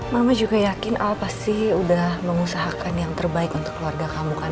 mama juga yakin al pasti udah mengusahakan yang terbaik untuk keluarga kamu kan